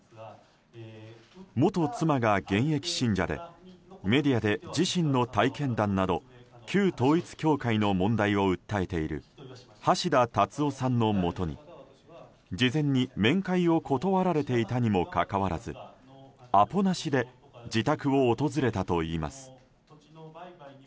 元妻が現役信者でメディアで自身の体験談など旧統一教会の問題を訴えている橋田達夫さんのもとに事前に面会を断られていたにもかかわらずアポなしで自宅を訪れたといいます。